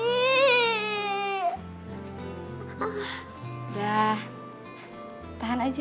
udah tahan aja